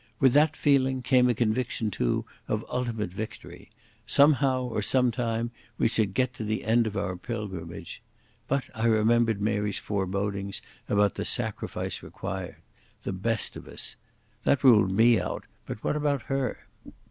With that feeling came a conviction, too, of ultimate victory. Somehow or sometime we should get to the end of our pilgrimage. But I remembered Mary's forebodings about the sacrifice required. The best of us. That ruled me out, but what about her?